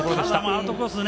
アウトコース